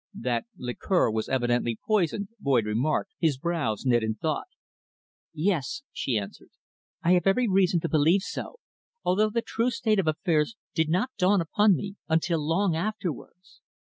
"That liqueur was evidently poisoned," Boyd remarked, his brows knit in thought. "Yes," she answered. "I have every reason to believe so, although the true state of affairs did not dawn upon me until long afterwards.